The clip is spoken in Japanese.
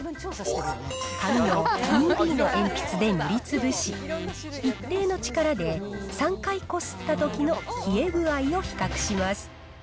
紙を２Ｂの鉛筆で塗りつぶし、一定の力で３回こすったときの消え具合を比較します。